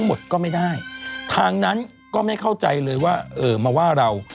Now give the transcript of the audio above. ไม่เข้าใจเลยว่าเออมาว่าเรา